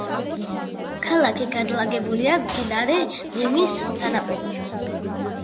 ქალაქი განლაგებულია მდინარე ლიმის სანაპიროზე.